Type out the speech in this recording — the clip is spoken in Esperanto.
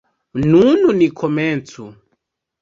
Nun ni komencu.